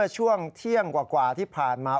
ช่วงเที่ยงกว่าที่ผ่านมา